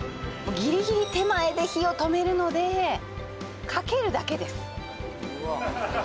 ギリギリ手前で火を止めるのでかけるだけです・うわ